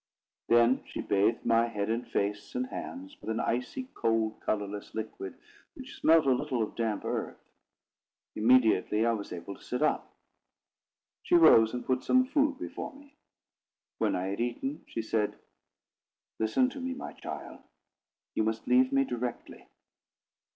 Then she bathed my head and face and hands in an icy cold, colourless liquid, which smelt a little of damp earth. Immediately I was able to sit up. She rose and put some food before me. When I had eaten, she said: "Listen to me, my child. You must leave me directly!"